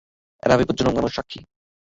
এরা বিপজ্জনক মানুষ, সাক্ষী।